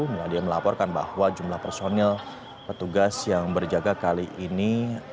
meladia melaporkan bahwa jumlah personil petugas yang berjaga kali ini